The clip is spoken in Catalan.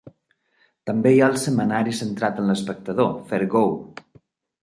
També hi ha el setmanari centrat en l'espectador, "Fair Go".